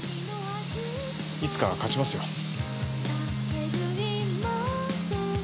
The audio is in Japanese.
いつかは勝ちますよ。